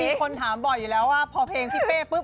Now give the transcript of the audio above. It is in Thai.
คือมีคนถามบ่อยอยู่แล้วว่าพอเพลงพี่เป้